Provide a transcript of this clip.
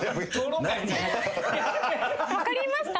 分かりました？